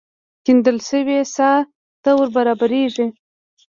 کېندل شوې څاه ته ور برابرېږي.